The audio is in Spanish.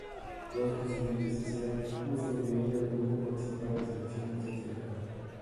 Dos presidentes hicieron uso de ella pudiendo participar en las elecciones desde el cargo.